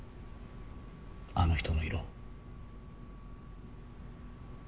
あの人の色。